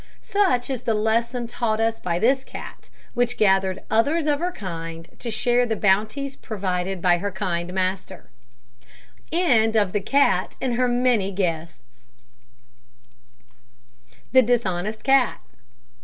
Such is the lesson taught us by this cat, which gathered others of her kind to share the bounties provided by her kind master. THE DISHONEST CAT.